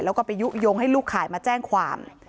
แล้วก็ไปยุโยงให้ลูกขายมาแจ้งความ